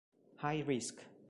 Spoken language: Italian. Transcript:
High Risk